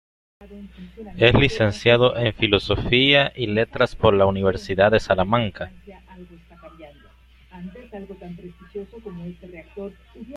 Es licenciado en Filosofía y Letras por la Universidad de Salamanca.